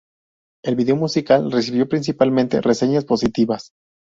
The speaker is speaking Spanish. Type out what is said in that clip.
El vídeo musical recibió principalmente reseñas positivas.